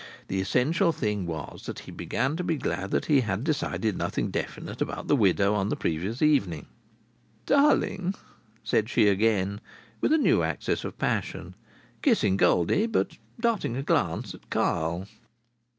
The essential thing was that he began to be glad that he had decided nothing definite about the widow on the previous evening. "Darling!" said she again, with a new access of passion, kissing Goldie, but darting a glance at Carl.